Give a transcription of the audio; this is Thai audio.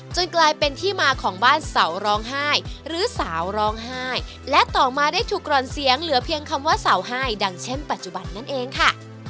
กลายเป็นที่มาของบ้านเสาร้องไห้หรือสาวร้องไห้และต่อมาได้ถูกกร่อนเสียงเหลือเพียงคำว่าเสาไห้ดังเช่นปัจจุบันนั่นเองค่ะ